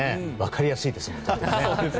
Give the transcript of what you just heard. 分かりやすいです。